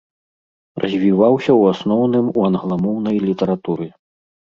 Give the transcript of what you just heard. Развіваўся ў асноўным у англамоўнай літаратуры.